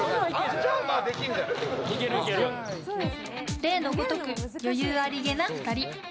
例のごとく余裕ありげな２人。